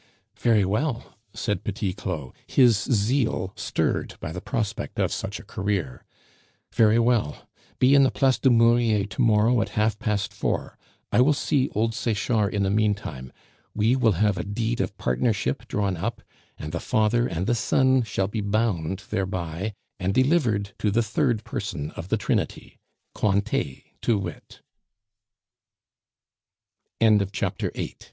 "Very well," said Petit Claud, his zeal stirred by the prospect of such a career, "very well, be in the Place du Murier to morrow at half past four; I will see old Sechard in the meantime; we will have a deed of partnership drawn up, and the father and the son shall be bound thereby, and delivered to the third person of the trinity Cointet, to wit." To return to Lucien in Paris. On the morrow of t